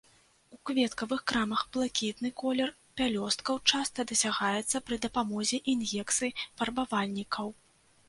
У кветкавых крамах блакітны колер пялёсткаў часта дасягаецца пры дапамозе ін'екцый фарбавальнікаў.